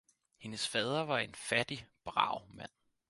Hendes fader var en fattig, brav mand.